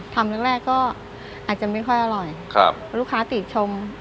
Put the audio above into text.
ทำตอนแรกก็อาจจะไม่ค่อยอร่อยลูกค้าติดชม